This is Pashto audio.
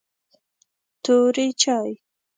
توري چای